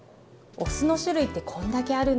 お酢の種類ってこんだけあるんです。